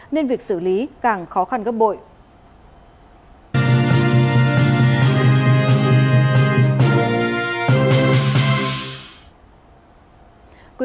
nên việc xử lý càng khó khăn gấp bội